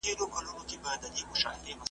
زه ښکاري یم زه به دام څنګه پلورمه ,